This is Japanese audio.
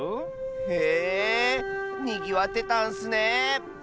へえにぎわってたんッスね。